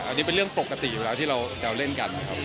อันนี้เป็นเรื่องปกติอยู่แล้วที่เราแซวเล่นกันครับ